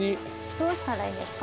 どうしたらいいんですか？